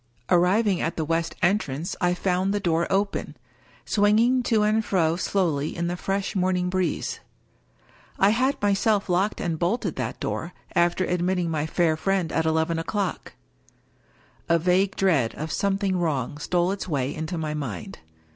Arriving at the west entrance I found the door open — swinging to and fro slowly in the fresh morning breeze. I had myself locked and bolted that door after admitting my 271 English Mystery Stories fair friend at eleven o'clock. A vague dread of something wrong stole its way into my mind.